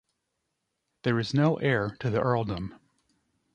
There is no heir to the earldom.